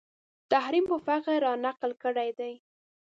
تحریم په فخر رانقل کړی دی